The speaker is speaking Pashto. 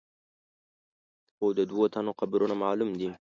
خو د دوو تنو قبرونه معلوم دي.